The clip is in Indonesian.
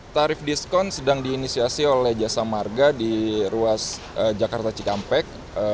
tarif diskon sedang diinisiasi oleh jasa marga di ruas jakarta cikampek